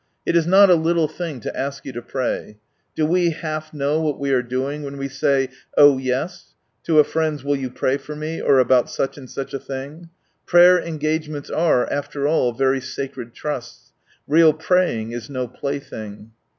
It is not a little thing to ask you to pray. Do we half know what we are doing when we say, " Oh, yes !" to a friend's " Will you pray for me, or about such and such a thing ?" Prayer engagements are, after all, very sacred trusts. Real " praying is no plaything."